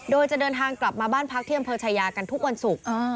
โดยจะเดินทางกลับมาบ้านพักที่อำเภอชายากันทุกวันศุกร์